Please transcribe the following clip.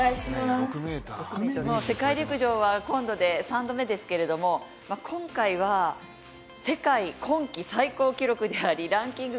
世界陸上は今度で３度目ですけれども、今回は世界、今季最高記録でありランキング